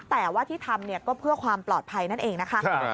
แต่ว่าที่ทำก็เพื่อความปลอดภัยนั่นเองนะคะ